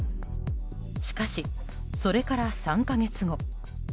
しかし、それから３か月後。